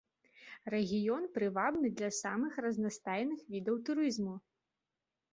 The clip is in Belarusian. Рэгіён прывабны для самых разнастайных відаў турызму.